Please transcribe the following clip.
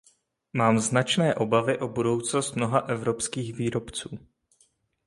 Mám značné obavy o budoucnost mnoha evropských výrobců.